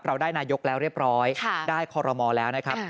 เราได้นายกแล้วเรียบร้อยได้คอรมอลแล้วนะครับ